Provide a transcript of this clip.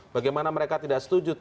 bagaimana mereka tidak setuju